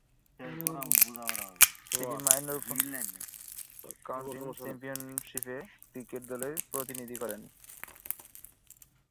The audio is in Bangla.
তিনি মাইনর কাউন্টি চ্যাম্পিয়নশিপে ক্রিকেট দলের প্রতিনিধিত্ব করেন।